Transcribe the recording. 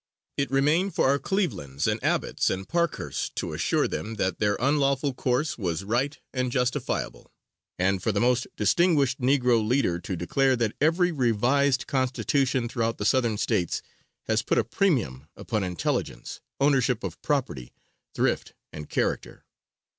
It remained for our Clevelands and Abbotts and Parkhursts to assure them that their unlawful course was right and justifiable, and for the most distinguished Negro leader to declare that "every revised Constitution throughout the Southern States has put a premium upon intelligence, ownership of property, thrift and character."